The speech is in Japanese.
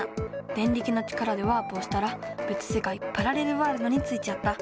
デンリキの力でワープをしたらべつせかいパラレルワールドについちゃった！